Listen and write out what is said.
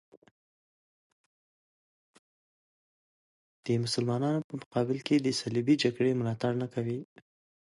د مسلمانانو په مقابل کې د صلیبي جګړې ملاتړ نه کوي.